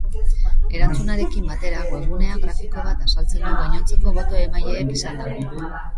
Erantzunarekin batera, webguneak grafiko bat azaltzen du gainontzeko boto-emaileek izandako emaitzak erakutsiz.